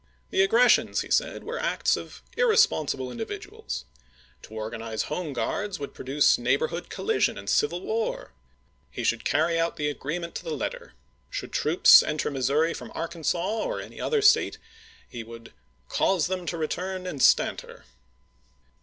The aggi^essions, he said, were acts of irresponsible individuals. To organize Home Guards would pro duce neighborhood collision and civil war. He should carry out the agreement to the letter. ^rne*Y. Should troops cutcr Missouri from Arkansas or May29,f86i. any other State he would " cause them to return IIL, p. 380." instanter."